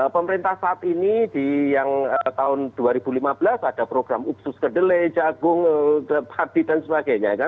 pemerintah saat ini yang tahun dua ribu lima belas ada program upsus kedelai jagung padi dan sebagainya